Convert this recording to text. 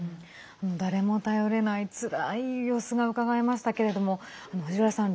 誰も頼れない、つらい様子がうかがえましたけれども藤原さん